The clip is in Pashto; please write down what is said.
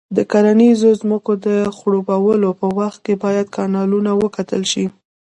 د کرنیزو ځمکو د خړوبولو په وخت کې باید کانالونه وکتل شي.